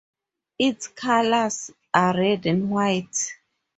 Its colors are red and white.